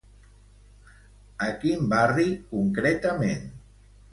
A quin barri, concretament?